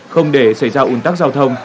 không để xảy ra ủn tắc giao thông